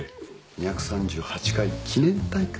２３８回記念大会。